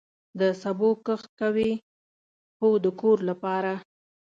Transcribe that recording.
د سبو کښت کوئ؟ هو، د کور لپاره